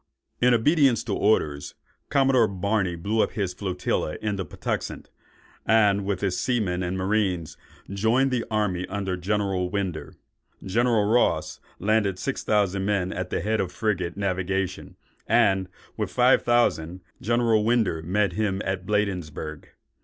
In obedience to orders, Commodore Barney blew up his flotilla in the Patuxent, and with his seamen and marines, joined the army under General Winder. General Ross landed six thousand men at the head of frigate navigation, and, with five thousand, General Winder met him at Bladensburg.